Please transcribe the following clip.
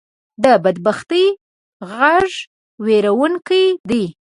د بدبختۍ غږ وېرونکې دی